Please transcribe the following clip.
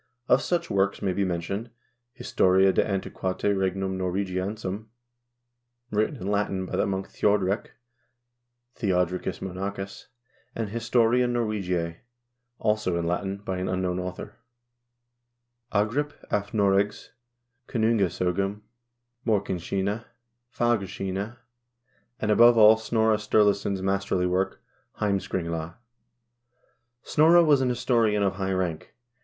Of such works may be mentioned: "Historia de Anti qnitate Regum Norwagiensium," written in Latin by the monk Thjodrek (Theodricus Monachus), and "Historia Norwegiae," also in Latin, by an unknown author ;" Agrip af Noregs Konungas0gum," "Morkinskinna," "Fagrskinna," and, above all, Snorre Sturlason's masterly work, "Heimskringla." Snorre was an historian of high rank.